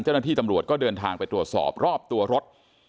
เจ้าหน้าที่ตำรวจก็เดินทางไปตรวจสอบรอบตัวรถ